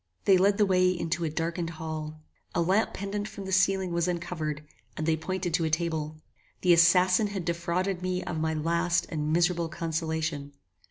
They led the way into a darkened hall. A lamp pendant from the ceiling was uncovered, and they pointed to a table. The assassin had defrauded me of my last and miserable consolation.